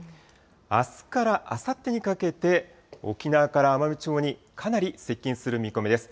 あすからあさってにかけて、沖縄から奄美地方にかなり接近する見込みです。